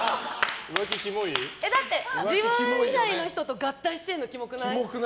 だって、自分以外の人と合体してるのキモくない？